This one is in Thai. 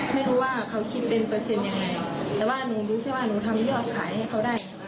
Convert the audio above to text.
ไม่รู้ว่าเขาคิดเป็นเปอร์เซ็นต์ยังไงแต่ว่าหนูรู้แค่ว่าหนูทำยอดขายให้เขาได้